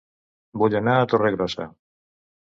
Vull anar a Torregrossa